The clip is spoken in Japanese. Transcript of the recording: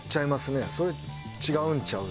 「それ違うんちゃう？」